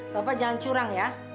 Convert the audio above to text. bapak jangan curang ya